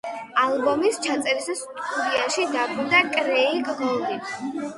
ალბომის ჩაწერისას სტუდიაში დაბრუნდა კრეიგ გოლდი.